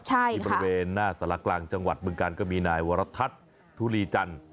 ที่บริเวณหน้าสารกลางจังหวัดบึงการก็มีนายวรทัศน์ทุลีจันทร์